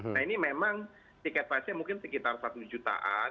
nah ini memang tiket pasnya mungkin sekitar satu jutaan